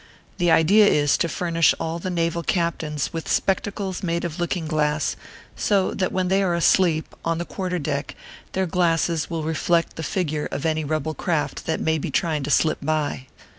The idea is, to furnish all the naval captains with spectacles made of look ing glass, so that when they are asleep, on the quarter deck, their glasses will reflect the figure of any rebel craft that may be trying to slip by.